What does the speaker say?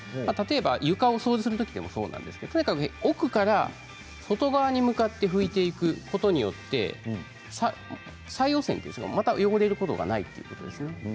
床を掃除するときもそうですが奥から外側に向かって拭いていくことによって再汚染というかまた汚れることがないんです。